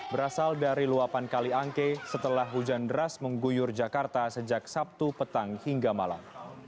berasal dari luapan kaliangke setelah hujan deras mengguyur jakarta sejak sabtu petang hingga malam